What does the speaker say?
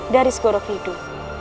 dari skorok hidup